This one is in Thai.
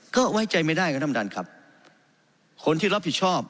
ก็ไว้ใจไม่ได้คุณดำดันครับคนที่รับผิดชอบ